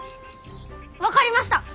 分かりました。